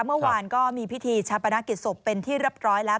เมื่อวานก็มีพิธีชาปนกิจศพเป็นที่เรียบร้อยแล้ว